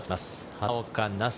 畑岡奈紗。